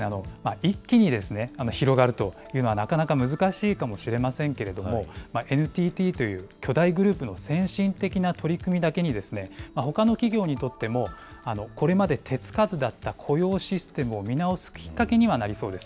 一気に広がるというのは、なかなか難しいかもしれませんけれども、ＮＴＴという巨大グループの先進的な取り組みだけに、ほかの企業にとっても、これまで手付かずだった雇用システムを見直すきっかけにはなりそうです。